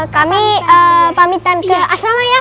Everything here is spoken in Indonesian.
kami pamitan ke asrama ya